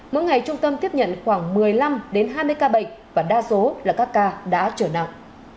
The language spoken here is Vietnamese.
mỗi ngày trung tâm tiếp nhận khoảng một mươi năm hai mươi ca bệnh và đa số là các ca đã trở nặng